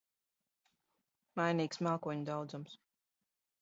Mainīgs mākoņu daudzums.